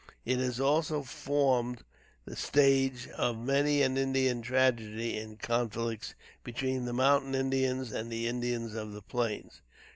It has also formed the stage of many an Indian tragedy in conflicts between the mountain Indians and the Indians of the plains.